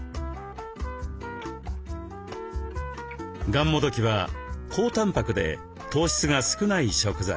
がんもどきは高たんぱくで糖質が少ない食材。